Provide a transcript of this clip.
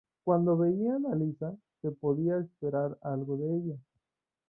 Cuando veían a Lisa, se podía esperar algo de ella.